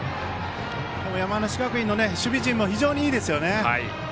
山梨学院の守備陣も非常にいいですよね。